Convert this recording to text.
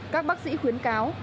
các bác sĩ khuyến cáo